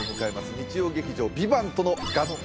日曜劇場「ＶＩＶＡＮＴ」との合体